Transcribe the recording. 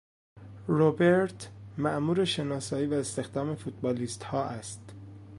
روبرت مامور شناسایی و استخدام فوتبالیستها است.